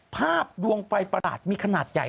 ภาพดวงไฟประหลาดมีขนาดใหญ่